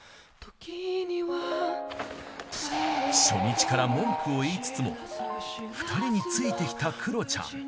初日から文句を言いつつも２人についてきたクロちゃん。